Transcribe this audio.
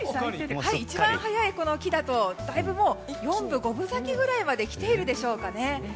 一番早い、この木だとだいぶ４分、５分咲きくらいまで来ているでしょうかね。